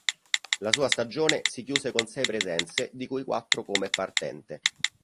La sua stagione si chiuse con sei presenze, di cui quattro come partente.